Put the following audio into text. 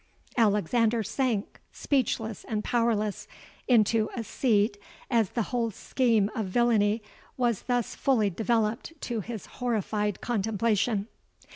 '—Alexander sank, speechless and powerless, into a seat as the whole scheme of villainy was thus fully developed to his horrified contemplation.